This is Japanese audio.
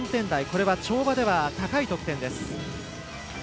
これは跳馬では高い得点です。